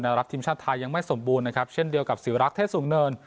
รับทีมชาติไทยยังไม่สมบูรณ์นะครับเช่นเดียวกับศิวรักษ์เทศสูงเนิน